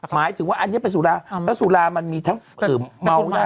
หมายถึงว่าอันนี้เป็นสุราแล้วสุรามันมีทั้งเมาได้